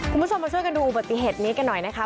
คุณผู้ชมมาช่วยกันดูอุบัติเหตุนี้กันหน่อยนะคะ